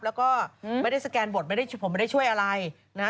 และก็ไม่ได้สแกนบทผมไม่ได้ช่วยอะไร